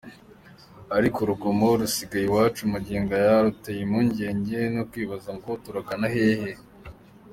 Ariko urugomo rusigaye iwacu magingo aya ruteye impungenge no kwibaza ngo turagana hehe?